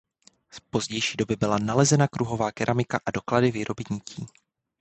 Z pozdější doby byla nalezena kruhová keramika a doklady výroby nití.